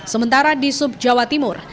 sementara di sub jawa timur